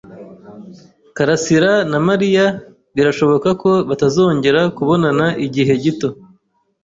Karasirana Mariya birashoboka ko batazongera kubonana igihe gito.